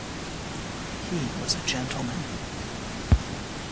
He was a gentleman.